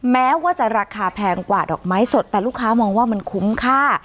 แม้ว่าจะราคาแพงกว่าดอกไม้สดแต่ลูกค้ามองว่ามันคุ้มค่า